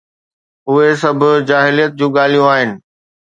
اهي سڀ جاهليت جون ڳالهيون آهن